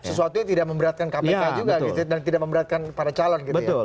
sesuatu yang tidak memberatkan kpk juga dan tidak memberatkan para calon